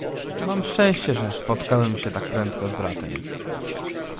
"Mam szczęście, że spotkałem się tak prędko z bratem."